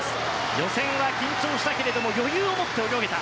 予選は緊張したけれども余裕を持って泳げた。